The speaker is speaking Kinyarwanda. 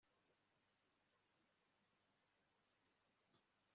barundarunda bitonze intwaro z'abanzi bazishyingura ahantu habigenewe